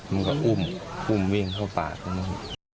มันก็อุ้มอุ้มวิ่งเข้าปากตรงนี้